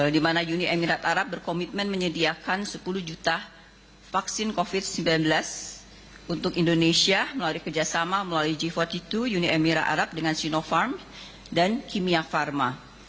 di mana uni emirat arab berkomitmen menyediakan sepuluh juta vaksin covid sembilan belas untuk indonesia melalui kerjasama melalui g empat puluh dua uni emirat arab dengan sinopharm dan kimia pharma